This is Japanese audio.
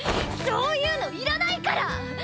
そういうのいらないから！